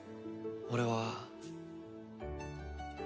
俺は。